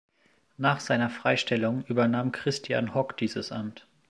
Nach seiner Freistellung übernahm Christian Hock dieses Amt.